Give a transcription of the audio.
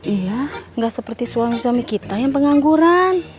iya nggak seperti suami suami kita yang pengangguran